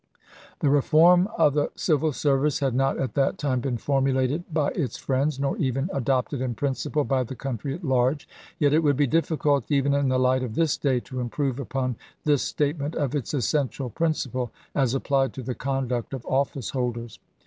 The reform of the civil service had not at that time been formulated by its friends, nor even adopted in principle by the country at large, yet it would be difficult even in the light of this day to improve upon this statement of its essential prin ciple as applied to the conduct of office holders.